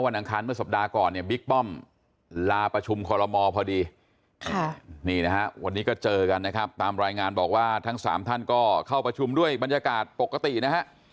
นี่นะฮะวันนี้ก็เจอกันนะครับตามรายงานบอกว่าทั้งสามท่านก็เข้าประชุมด้วยบรรยากาศปกตินะฮะ